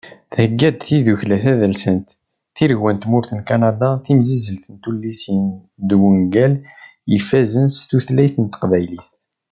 Thegga-d tiddukla tadelsant Tiregwa n tmurt n Kanada timsizzelt n tullisin d wungal ifazen s tutlayt n teqbaylit